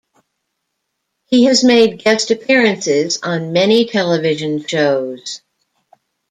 He has made guest appearances on many television shows.